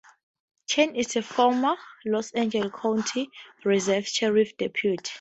Chen is a former Los Angeles County Reserve Sheriff's Deputy.